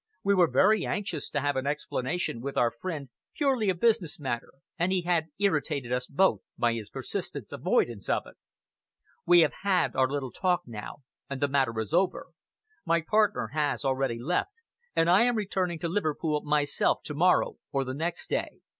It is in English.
We were very anxious to have an explanation with our friend, purely a business matter, and he had irritated us both by his persistent avoidance of it. We have had our little talk now, and the matter is over. My partner has already left, and I am returning to Liverpool myself to morrow or the next day.